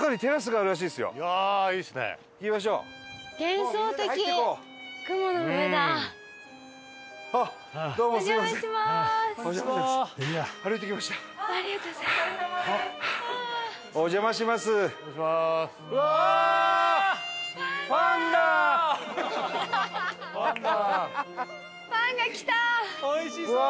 水田：おいしそう！